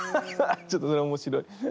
ちょっとそれ面白い。